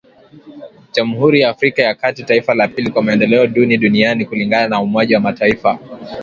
Jamhuri ya Afrika ya kati taifa la pili kwa maendeleo duni duniani kulingana na umoja wa mataifa